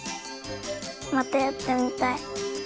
またやってみたい。